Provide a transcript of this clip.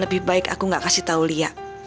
lebih baik aku gak kasih tau lia